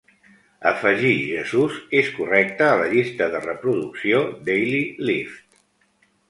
Afegir jesús és correcte a la llista de reproducció Daily Lift.